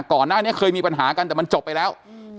ก่อนหน้านี้เคยมีปัญหากันแต่มันจบไปแล้ว